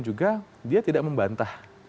juga dia tidak membantah